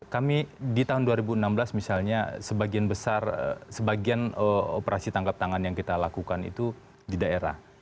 kami di tahun dua ribu enam belas misalnya sebagian besar sebagian operasi tangkap tangan yang kita lakukan itu di daerah